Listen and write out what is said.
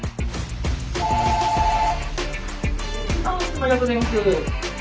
☎ありがとうございます。